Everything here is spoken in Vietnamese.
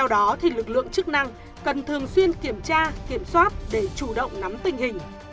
thì lực lượng chức năng cần thường xuyên kiểm tra kiểm soát để chủ động nắm tình hình